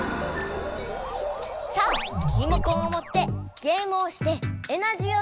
さあリモコンをもってゲームをしてエナジーをためよう！